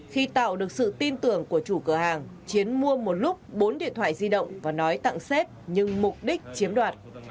khi tạo được sự tin tưởng của chủ cửa hàng chiến mua một lúc bốn điện thoại di động và nói tặng xếp nhưng mục đích chiếm đoạt